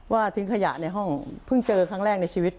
ทิ้งขยะในห้องเพิ่งเจอครั้งแรกในชีวิต